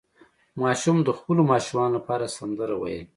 ماشوم د خپلو ماشومانو لپاره سندره ویله.